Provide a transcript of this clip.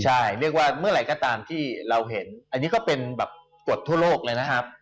ใช่เรียกว่าเมื่อไหร่ก็ตามที่เราเห็นอันนี้ก็เป็นแบบกฎทั่วโลกเลยนะครับ